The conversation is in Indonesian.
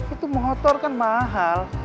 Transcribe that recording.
itu motor kan mahal